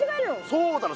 そうだよ！